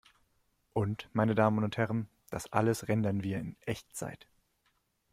Und, meine Damen und Herren, das alles rendern wir in Echtzeit!